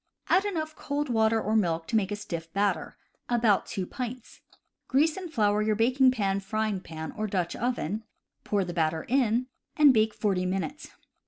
Add enough cold water or milk to make a stiff batter (about 2 pints). Grease and flour your baking pan, frying pan, or Dutch oven, pour the batter in, and bake forty minutes.